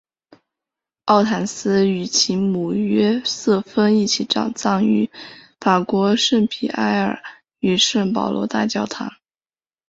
奥坦丝与其母约瑟芬一起葬于法国圣皮埃尔与圣保罗大教堂。